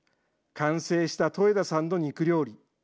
完成した戸枝さんの肉料理。